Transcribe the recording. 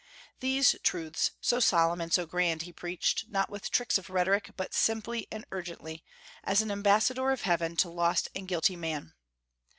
These truths, so solemn and so grand, he preached, not with tricks of rhetoric, but simply and urgently, as an ambassador of Heaven to lost and guilty man.